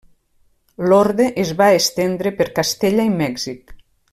L'orde es va estendre per Castella i Mèxic.